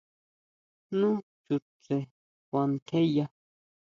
Nu chutse kuantjeya.